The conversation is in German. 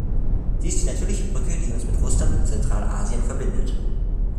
Sie ist die natürliche Brücke, die uns mit Russland und Zentralasien verbindet.